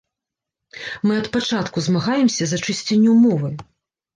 Мы ад пачатку змагаемся за чысціню мовы.